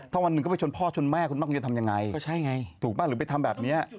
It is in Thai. ถ้าวันหนึ่งก็ไปชนพ่อชนแม่คุณบ้างคุณจะทำยังไงก็ใช่ไงถูกป่ะหรือไปทำแบบนี้